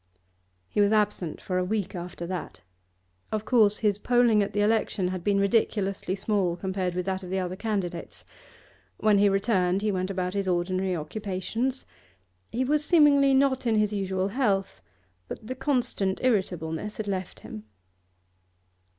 He was absent for a week after that. Of course his polling at the election had been ridiculously small compared with that of the other candidates. When he returned he went about his ordinary occupations; he was seemingly not in his usual health, but the constant irritableness had left him.